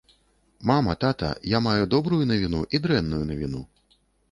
Мама, тата, я маю добрую навіну і дрэнную навіну.